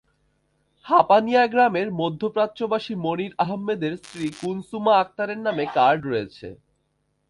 হাঁপানিয়া গ্রামের মধ্যপ্রাচ্যপ্রবাসী মনির আহাম্মদের স্ত্রী কুনসুমা আকতারের নামে কার্ড রয়েছে।